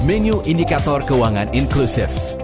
menu indikator keuangan inklusif